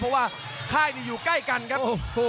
เพราะว่าค่ายนี่อยู่ใกล้กันครับ